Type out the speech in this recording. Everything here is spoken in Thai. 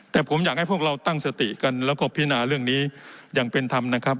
แต่ผมอยากให้พวกเราตั้งสติกันแล้วก็พินาเรื่องนี้อย่างเป็นธรรมนะครับ